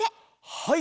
はい。